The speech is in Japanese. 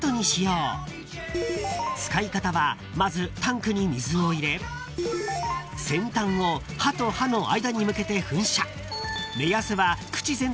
［使い方はまずタンクに水を入れ先端を歯と歯の間に向けて噴射］